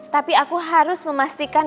tapi aku harus memastikan